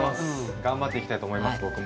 頑張っていきたいと思います僕も。